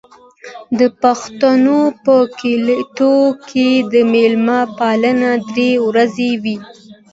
د پښتنو په کلتور کې د میلمه پالنه درې ورځې وي.